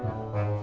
tidak ada apa apa